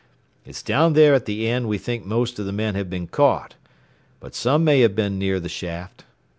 "It's down there at the end we think most of the men have been caught, but some may have been near the shaft.